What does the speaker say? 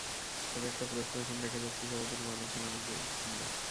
তবে একটা প্রশ্ন এখন রেখে যাচ্ছি সবার জন্য, বাংলাদেশের মানুষের জন্য।